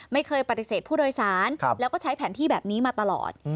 ปฏิเสธผู้โดยสารแล้วก็ใช้แผนที่แบบนี้มาตลอด